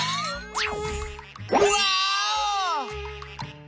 ワーオ！